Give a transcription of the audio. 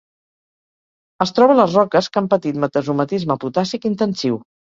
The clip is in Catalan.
Es troba a les roques que han patit metasomatisme potàssic intensiu.